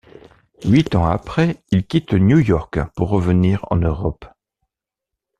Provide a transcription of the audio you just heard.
Huit ans après, il quitte New York pour revenir en Europe.